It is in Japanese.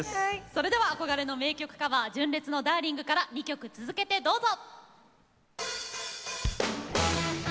それでは憧れの名曲カバー純烈の「ダーリング」から２曲続けてどうぞ。